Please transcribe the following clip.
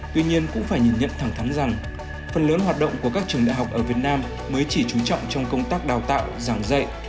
tuy nhiên cũng phải nhìn nhận thẳng thắn rằng phần lớn hoạt động của các trường đại học ở việt nam mới chỉ trú trọng trong công tác đào tạo giảng dạy